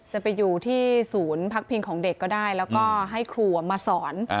จะไปอยู่ที่ศูนย์พักพิงของเด็กก็ได้แล้วก็ให้ครูมาสอน